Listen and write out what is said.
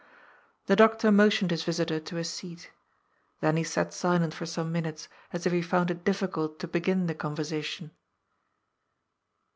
The doctor motioned his visitor to a seat. Then he sat silent for some minutes, as if he found it difficult to begin the conversation.